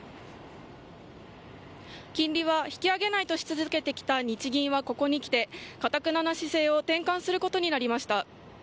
金利は引き上げないとし続けていた日銀はここにきて頑なな姿勢を転換することになりました。